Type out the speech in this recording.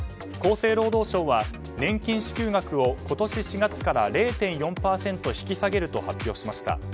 厚生労働省は年金支給額を今年４月から０．４％引き下げると発表しました。